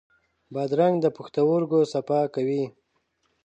بادرنګ د پښتورګو صفا کوي.